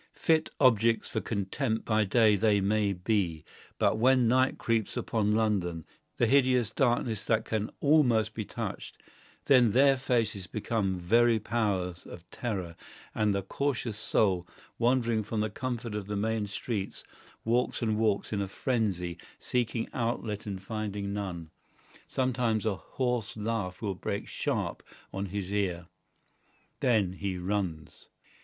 Fit objects for contempt by day they may be, but when night creeps upon London, the hideous darkness that can almost be touched, then their faces become very powers of terror, and the cautious soul, wandered from the comfort of the main streets, walks and walks in a frenzy, seeking outlet and finding none. Sometimes a hoarse laugh will break sharp on his ear. Then he runs.